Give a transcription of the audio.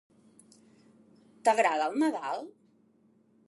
T'agrada el Nadal?